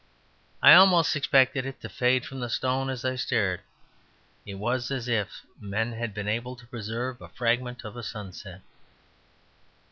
I almost expected it to fade from the stone as I stared. It was as if men had been able to preserve a fragment of a sunset.